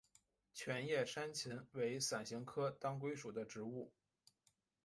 全叶山芹为伞形科当归属的植物。